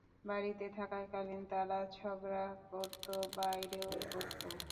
বাড়িতে থাকাকালীন তারা ঝগড়া করত, বাইরেও করত।